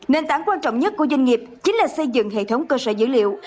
nền tảng quan trọng nhất của doanh nghiệp chính là xây dựng hệ thống cơ sở dữ liệu